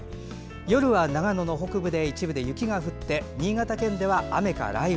夜は長野の北部で一部で雪が降って新潟県では雨か雷雨。